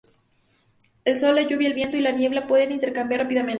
El sol, la lluvia, el viento y la niebla pueden intercambiar rápidamente.